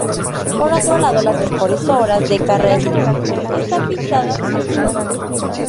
Por otro lado, las mejores obras de Carracci están pintadas al fresco.